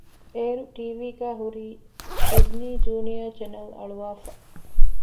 އޭރު ޓީވީގައި ހުރީ ޑިޒްނީ ޖޫނިއަރ ޗެނެލް އަޅުވައިފަ